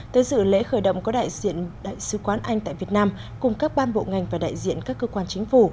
tới dự lễ khởi động có đại diện đại sứ quán anh tại việt nam cùng các ban bộ ngành và đại diện các cơ quan chính phủ